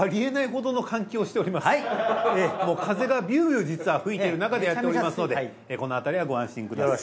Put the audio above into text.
もう風がビュービュー実は吹いてる中でやっておりますのでこのあたりはご安心ください。